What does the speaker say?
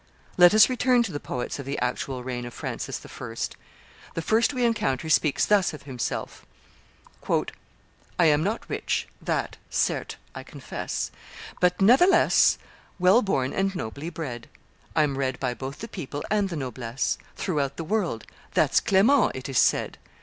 Let us return to the poets of the actual reign of Francis I. The first we encounter speaks thus of himself: "I am not rich; that, certes, I confess; But, natheless, well born and nobly bred; I'm read by both the people and noblesse, Throughout the world: 'That's Clement,' it is said.